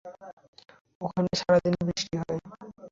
ওখানে সারাদিন বৃষ্টি হয়।